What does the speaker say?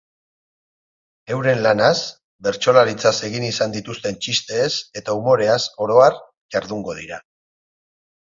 Euren lanaz, bertsolaritzaz egin izan dituzten txisteez eta umoreaz orohar jardungo dira.